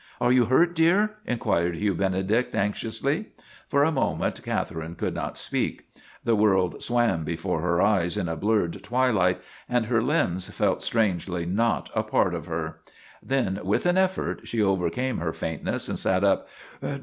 " Are you hurt, dear? " inquired Hugh Benedict, anxiously. For a moment Catherine could not speak. The world swam before her eyes in a blurred twilight 264 LORNA OF THE BLACK EYE and her limbs felt strangely not a part of her. Then, with an effort, she overcame her faintness and sat up.